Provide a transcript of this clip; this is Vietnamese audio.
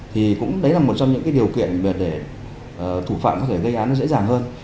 thì cũng đấy là một trong những cái điều kiện để thủ phạm có thể gây án nó dễ dàng hơn